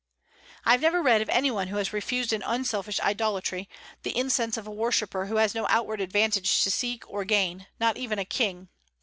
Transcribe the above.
I have never read of any one who has refused an unselfish idolatry, the incense of a worshipper who has no outward advantage to seek or gain, not even a king.